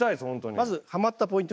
まずハマったポイント